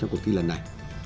trong cuộc kỳ lần này